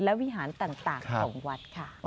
และวิหารต่างของวัดค่ะ